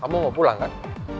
kamu mau pulang kan